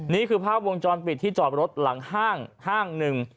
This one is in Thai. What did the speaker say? นี่คือภาพวงจรปิดที่จอดรถหลังห้างห้างหนึ่ง